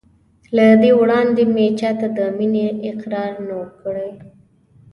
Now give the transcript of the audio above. له دې وړاندې مې چا ته د مینې اقرار نه و کړی.